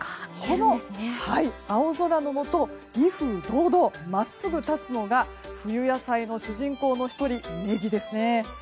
この青空のもと威風堂々真っすぐ立つのが冬野菜の主人公の１人ネギですね。